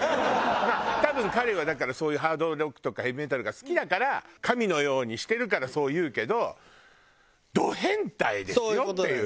まあ多分彼はだからそういうハードロックとかヘビーメタルが好きだから神のようにしてるからそう言うけどド変態ですよっていう。